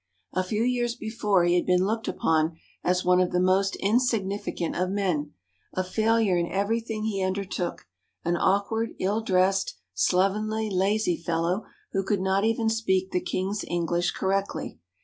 A few years before he had been looked upon as one of the most insignificant of men, a failure in everything he undertook, an awkward, ill dressed, slovenly, lazy fellow, who could not even speak the king's English correctly.